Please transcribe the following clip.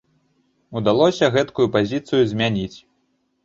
Удалося гэткую пазіцыю змяніць.